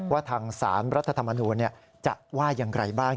ว่าทางสารรัฐธรรมนูลจะว่าอย่างไรบ้าง